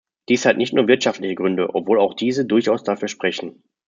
Dies hat nicht nur wirtschaftliche Gründe, obwohl auch diese durchaus dafür sprechen.